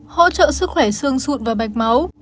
hỗ trợ sức khỏe sương sụn và mạch máu